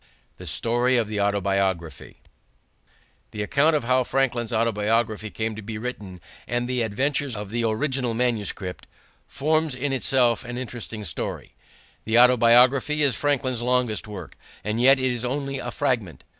The Story of the Autobiography The account of how Franklin's Autobiography came to be written and of the adventures of the original manuscript forms in itself an interesting story. The Autobiography is Franklin's longest work, and yet it is only a fragment.